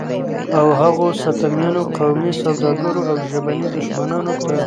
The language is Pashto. او هغو ستمیانو، قومي سوداګرو او ژبني دښمنانو ته